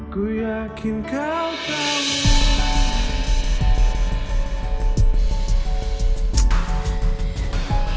kuyakin kau tahu